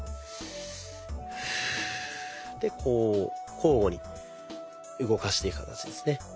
でこう交互に動かしていく形ですね。